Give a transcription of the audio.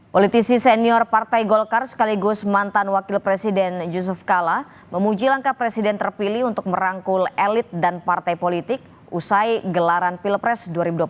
politisi senior partai golkar sekaligus mantan wakil presiden yusuf kala memuji langkah presiden terpilih untuk merangkul elit dan partai politik usai gelaran pilpres dua ribu dua puluh empat